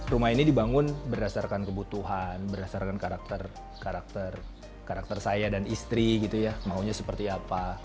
rumah ini dibangun berdasarkan kebutuhan berdasarkan karakter saya dan istri gitu ya maunya seperti apa